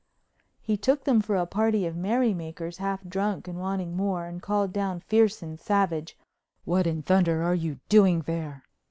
He took them for a party of merry makers, half drunk and wanting more, and called down fierce and savage: "What in thunder are you doing there?"